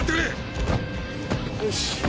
よし。